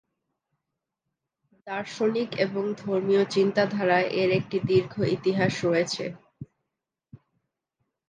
দার্শনিক এবং ধর্মীয় চিন্তাধারায় এর একটি দীর্ঘ ইতিহাস রয়েছে।